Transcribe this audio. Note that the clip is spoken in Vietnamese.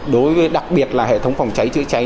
đối với đặc biệt là hệ thống phòng cháy chữa cháy